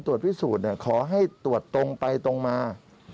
ส่วนผลชนสูตรเนี่ยขอให้ตรวจตรงไปตรงมา